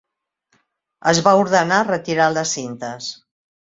Es va ordenar retirar les cintes.